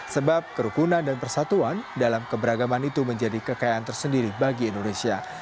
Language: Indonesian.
sebab kerukunan dan persatuan dalam keberagaman itu menjadi kekayaan tersendiri bagi indonesia